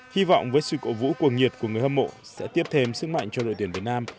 hy vọng với sự cổ vũ cuồng nhiệt của người hâm mộ sẽ tiếp thêm sức mạnh cho đội tuyển việt nam